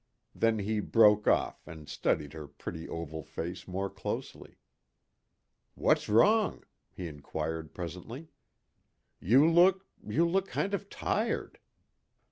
Then he broke off and studied her pretty oval face more closely. "What's wrong?" he inquired presently. "You look you look kind of tired."